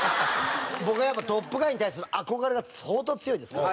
僕は『トップガン』に対する憧れが相当強いですから。